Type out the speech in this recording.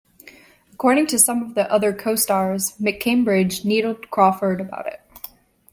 According to some of the other co-stars, McCambridge needled Crawford about it.